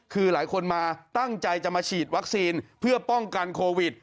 คือหลายคนมาตั้งใจจะมาฉีดวัคซีนเพื่อป้องกันโควิด